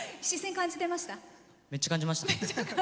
めっちゃ感じました。